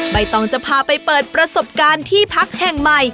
ใบตองจะพาไปเปิดประสบการณ์ที่พักแห่งใหม่